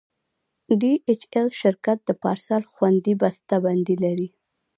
ډي ایچ ایل شرکت د پارسل خوندي بسته بندي لري.